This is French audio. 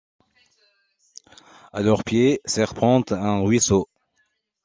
À leurs pieds serpente un ruisseau.